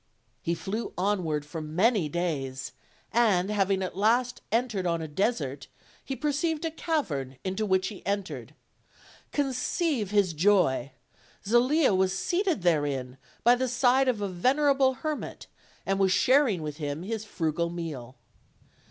He flew onward for many days, and having at last entered on a desert, he perceived a cavern, into which he entered. Conceive his joy! Zelia was seated therein by the side of a vener able hermit, and was sharing with him his frugal meal.